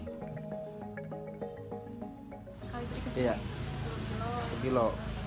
sekali beri kesini satu kilo